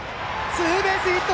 ツーベースヒット！